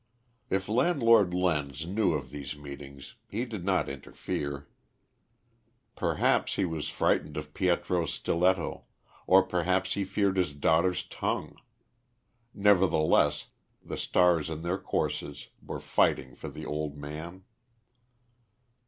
If Landlord Lenz knew of these meetings he did not interfere; perhaps he was frightened of Pietro's stiletto, or perhaps he feared his daughter's tongue; nevertheless, the stars in their courses were fighting for the old man.